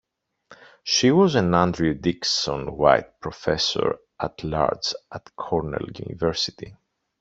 She was an Andrew Dickson White Professor-at-Large at Cornell University.